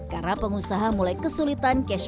karena pengusaha mulai kesulitan cash flow